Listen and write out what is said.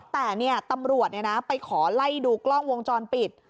แต่เนี่ยตำรวจเนี่ยนะไปขอไล่ดูกล้องวงจรปิด